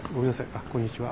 あこんにちは。